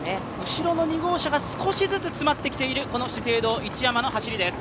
後ろの２号車が少しずつ迫ってきている一山の走りです。